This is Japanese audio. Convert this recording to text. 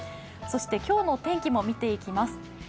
そして今日の天気も見ていきます。